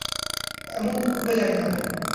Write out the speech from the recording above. এমন তো পূর্বে জানিতাম না।